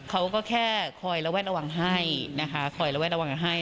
เขาก็แค่คอยระวัดระวังให้คอยระวัดระวังให้